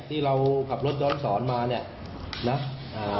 ที่เราขับรถย้อนสอนมาเนี่ยนะอ่า